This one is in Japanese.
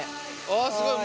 あすごい。